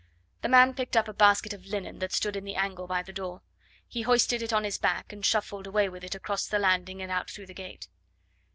The man picked up a basket of linen that stood in the angle by the door. He hoisted it on his back and shuffled away with it across the landing and out through the gate.